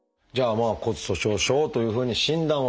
まあ「骨粗しょう症」というふうに診断をされました。